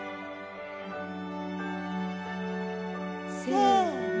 せの！